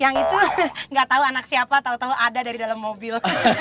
yang itu nggak tahu anak siapa tahu tahu ada dari dalam mobil